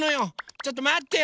ちょっとまってよ！